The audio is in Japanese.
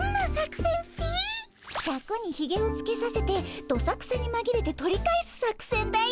シャクにひげをつけさせてどさくさにまぎれて取り返す作戦だよ。